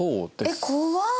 えっ怖い！